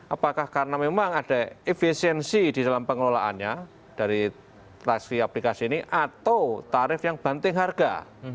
apakah karena memang ada efisiensi di dalam pengelolaannya dari tasfie aplikasi ini atau tarif yang banting harga